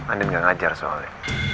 andin gak ngajar soalnya